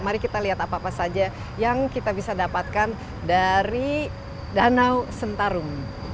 mari kita lihat apa apa saja yang kita bisa dapatkan dari danau sentarum